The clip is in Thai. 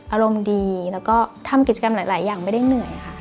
อารมณ์ดีแล้วก็ทำกิจกรรมหลายอย่างไม่ได้เหนื่อยค่ะ